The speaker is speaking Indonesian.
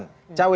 jadi gak masalah